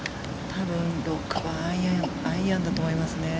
多分、６番アイアンだと思いますね。